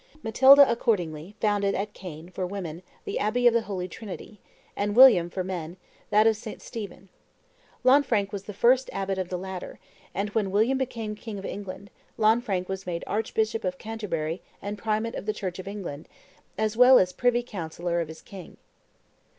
Matilda, accordingly, founded at Caen, for women, the abbey of the Holy Trinity; and William, for men, that of St. Stephen. Lanfranc was the first abbot of the latter; and when William became king of England, Lanfranc was made archbishop of Canterbury and primate of the Church of England, as well as privy counsellor of his king.